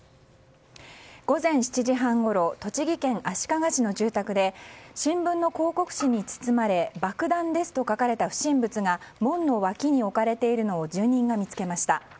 午前７時半ごろ栃木県足利市の住宅で新聞の広告誌に包まれ「爆弾です」と書かれた不審物が門の脇に置かれているのを住人が見つけました。